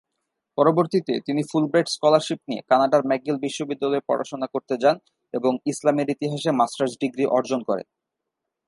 পরবর্তীতে তিনি Fulbright scholarship নিয়ে কানাডার ম্যাকগিল বিশ্ববিদ্যালয়ে পড়াশুনা করতে যান এবং ইসলামের ইতিহাসে মাস্টার্স ডিগ্রি অর্জন করেন।